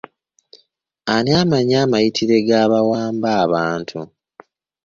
Ani amanyi amayitire g'abawamba abantu?